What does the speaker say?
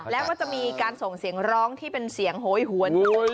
แล้วก็จะมีการส่งเสียงร้องที่เป็นเสียงโหยหวน